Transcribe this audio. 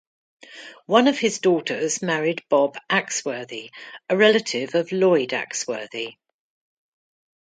One of his daughters married Bob Axworthy, a relative of Lloyd Axworthy.